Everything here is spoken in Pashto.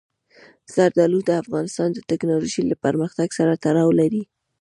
زردالو د افغانستان د تکنالوژۍ له پرمختګ سره تړاو لري.